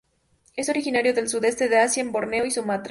Es originario del sudeste de Asia en Borneo y Sumatra.